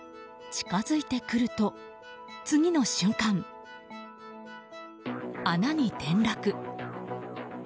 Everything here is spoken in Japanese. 近づいてくると次の瞬間穴に転落。